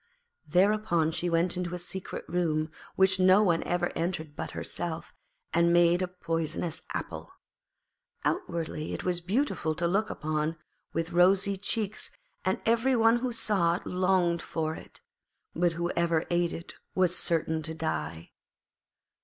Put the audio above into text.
Thereupon she went into a secret room, which no one ever entered but herself, and made a poisonous apple. Outwardly it was beautiful to look upon, with rosy cheeks, and every one who saw it longed for it, but whoever ate of it was certain to die.